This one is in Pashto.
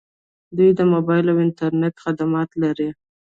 دوی د موبایل او انټرنیټ خدمات لري.